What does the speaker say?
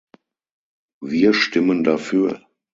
Wir stimmen dafür.